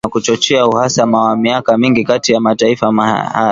nchini Iran na kuchochea uhasama wa miaka mingi kati ya mataifa hayo